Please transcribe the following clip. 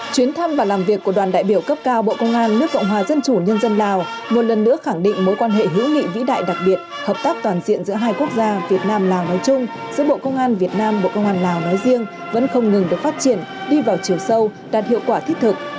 chuyến thăm và làm việc của đoàn đại biểu cấp cao bộ công an nước cộng hòa dân chủ nhân dân lào một lần nữa khẳng định mối quan hệ hữu nghị vĩ đại đặc biệt hợp tác toàn diện giữa hai quốc gia việt nam lào nói chung giữa bộ công an việt nam bộ công an lào nói riêng vẫn không ngừng được phát triển đi vào chiều sâu đạt hiệu quả thiết thực